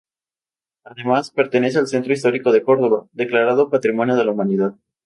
Además, pertenece al centro histórico de Córdoba, declarado Patrimonio de la Humanidad.